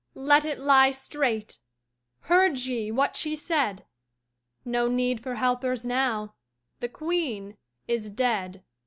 "Let it lie straight!" Heard ye what she said? No need for helpers now; the Queen is dead!